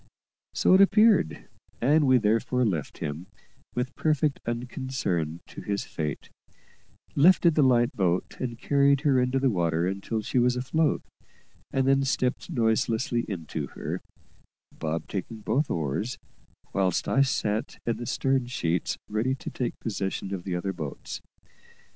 So it appeared, and we therefore left him, with perfect unconcern, to his fate; lifted the light boat and carried her into the water until she was afloat, and then stepped noiselessly into her Bob taking both oars, whilst I sat in the stern sheets ready to take possession of the other boats.